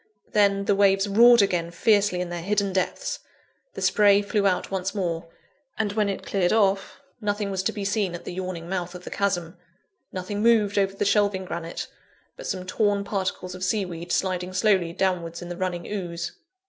Then, the waves roared again fiercely in their hidden depths; the spray flew out once more; and when it cleared off; nothing was to be seen at the yawning mouth of the chasm nothing moved over the shelving granite, but some torn particles of sea weed sliding slowly downwards in the running ooze.